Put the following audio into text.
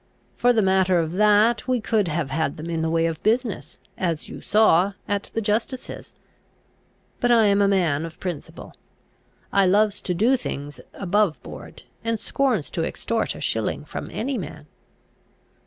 For the matter of that, we could have had them in the way of business, as you saw, at the justice's. But I am a man of principle; I loves to do things above board, and scorns to extort a shilling from any man."